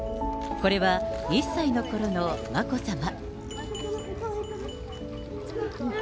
これは１歳のころの眞子さま。